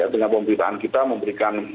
dengan pemberitaan kita memberikan